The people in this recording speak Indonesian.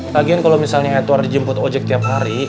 tagian kalau misalnya edward dijemput ojek tiap hari